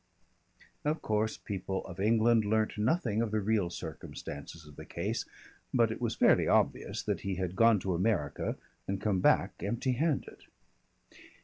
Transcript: Of course people of England learnt nothing of the real circumstances of the case, but it was fairly obvious that he had gone to America and come back empty handed.